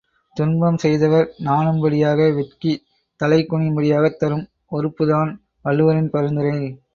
துன்பம் செய்தவர் நானும்படியாக வெட்கித் தலை குனியும்படியாகத் தரும் ஒறுப்புதான் வள்ளுவரின் பரிந்துரை.